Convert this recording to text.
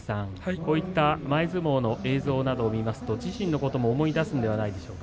こういった前相撲の映像などを見ると自身のことも思い出すのではないですか？